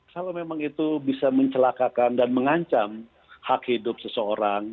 kalau memang itu bisa mencelakakan dan mengancam hak hidup seseorang